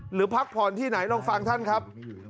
พักผ่อนที่ไหนลองฟังท่านครับ